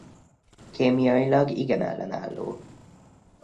Kémiailag igen ellenálló.